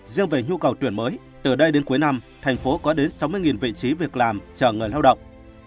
riêng về nhu cầu tuyển mới từ đây đến cuối năm thành phố có đến sáu mươi vị trí việc làm chờ người lao động